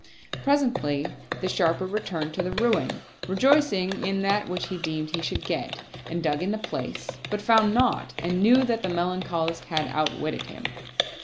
Presently the Sharper returned to the ruin, rejoicing in that which he deemed he should get, and dug in the place, but found naught and knew that the Melancholist had outwitted him.